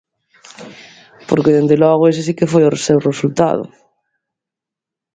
Porque, dende logo, ese si que foi o seu resultado.